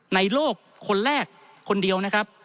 ในโลกคนแรกคนเดียวนะครับ